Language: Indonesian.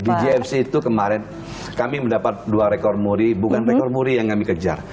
di gfc itu kemarin kami mendapat dua rekor muri bukan rekor muri yang kami kejar